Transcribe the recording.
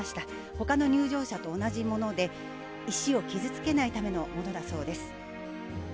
ほかの入場者と同じもので、石を傷つけないためのものだそうです。